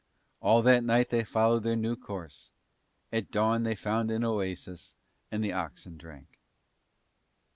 All that night they followed their new course: at dawn they found an oasis and the oxen drank.